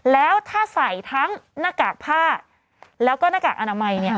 แล้วถ้าใส่ทั้งหน้ากากผ้าแล้วก็หน้ากากอนามัยเนี่ย